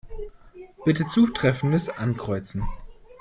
Bitte Zutreffendes Ankreuzen.